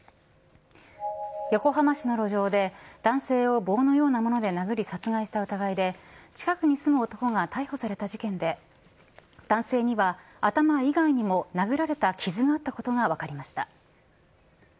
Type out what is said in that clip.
横浜市の路上で、男性を棒のようなもので殴り殺害した疑いで、近くに住む男が逮捕された事件で、男性には頭以外にも殴られた傷があったことが分かりました。